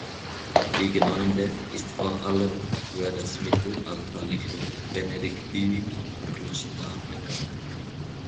Die Gemeinde ist vor allem für das mittelalterliche Benediktinerkloster bekannt.